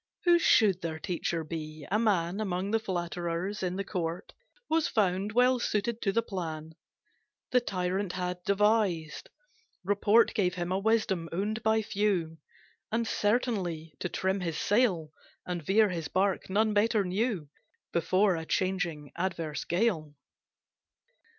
Who should their teacher be? A man Among the flatterers in the court Was found, well suited to the plan The tyrant had devised. Report Gave him a wisdom owned by few, And certainly to trim his sail, And veer his bark, none better knew, Before a changing adverse gale.